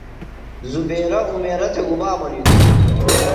زبیرہ عمیرہ تھےۡ گُبا منیتوۡ؟